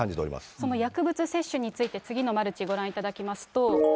その薬物摂取について、次のマルチ、ご覧いただきますと。